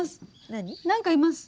何？なんかいます！